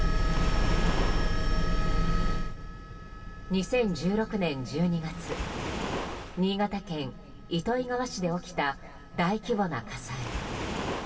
２０１６年１２月新潟県糸魚川市で起きた大規模な火災。